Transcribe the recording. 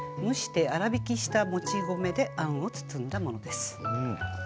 蒸して粗びきしたもち米であんを包んだものです。